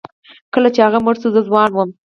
کله چې هغه مړ شو زه ځوان وم.